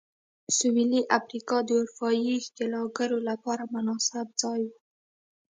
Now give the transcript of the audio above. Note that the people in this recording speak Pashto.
سوېلي افریقا د اروپايي ښکېلاکګرو لپاره مناسب ځای و.